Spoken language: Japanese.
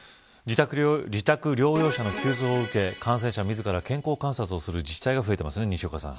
自宅療養者の急増を受け感染者、自ら健康観察をする自治体が増えてますね。